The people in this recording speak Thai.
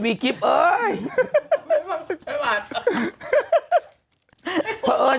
วีกริปเอ้ย